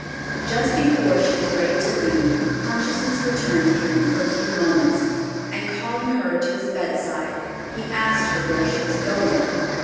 Just before she was ready to leave, consciousness returned to him for a few moments, and calling her to his bedside, he asked her where she was going.